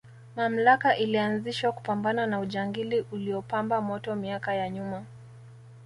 mamlaka ilianzishwa kupambana na ujangili uliopamba moto miaka ya nyuma